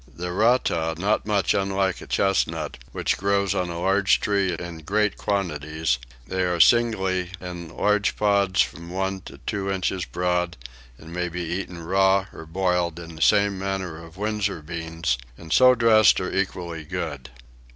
The rattah, not much unlike a chestnut, which grows on a large tree in great quantities: they are singly in large pods from one to two inches broad, and may be eaten raw or boiled in the same manner as Windsor beans, and so dressed are equally good.